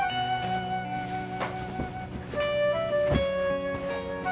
nanti kita ke sana